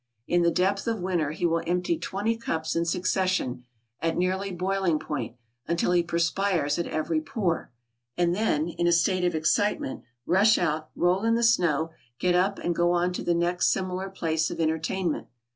In the depth of winter he will empty twenty cups in succession, at nearly boiling point, until he perspires at every pore, and then, in a state of excitement rush out, roll in the snow, get up and go on to the next similar place of entertainment.